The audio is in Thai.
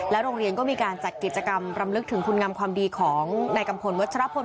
โรงเรียนก็มีการจัดกิจกรรมรำลึกถึงคุณงามความดีของนายกัมพลวัชรพล